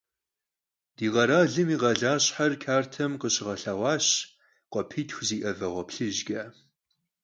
Di kheralım yi khalaşher kartem khışığelheğuaş khuapitxu zi'e vağue plhıjç'e.